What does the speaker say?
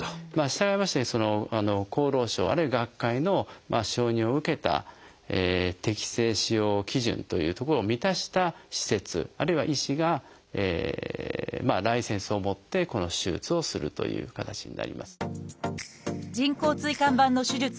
したがいまして厚労省あるいは学会の承認を受けた適正使用基準というところを満たした施設あるいは医師がライセンスを持ってこの手術をするという形になります。